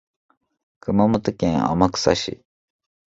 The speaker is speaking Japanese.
熊本県天草市